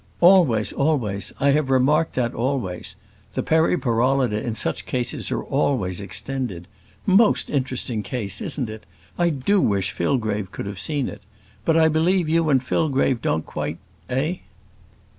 "Always, always; I have remarked that always; the periporollida in such cases are always extended; most interesting case, isn't it? I do wish Fillgrave could have seen it. But, I believe you and Fillgrave don't quite eh?"